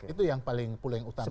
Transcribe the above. itu yang paling utama